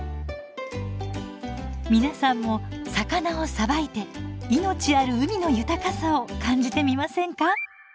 皆さんも魚をさばいて命ある海の豊かさを感じてみませんか？